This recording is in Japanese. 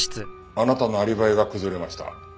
あなたのアリバイが崩れました。